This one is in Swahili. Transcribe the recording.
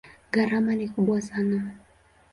Gharama ni kubwa sana.